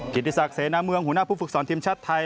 ติศักดิเสนาเมืองหัวหน้าผู้ฝึกสอนทีมชาติไทย